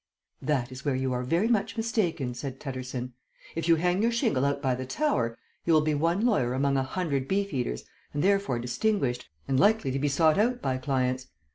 "That is where you are very much mistaken," said Tutterson. "If you hang your shingle out by the Tower, you will be one lawyer among a hundred Beef Eaters, and therefore distinguished, and likely to be sought out by clients.